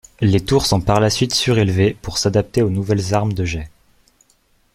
Les tours sont par la suite surélevées pour s'adapter aux nouvelles armes de jet.